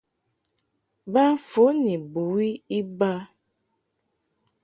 Ba fon ni bon bɨwi iba.